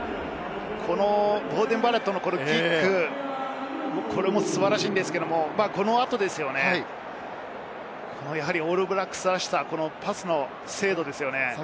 ボーデン・バレットのキック、これも素晴らしいんですけれども、この後、オールブラックスらしさ、パスの精度ですよね。